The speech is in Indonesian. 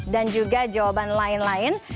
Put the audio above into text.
dan juga jawaban lain lain